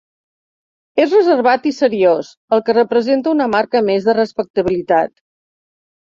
És reservat i seriós, el que representa una marca més de respectabilitat.